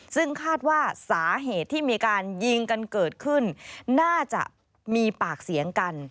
ซึ่งคาดว่าสาเหตุที่มีการยิงกันเกิดขึ้นน่าจะมีปากเสียงกัน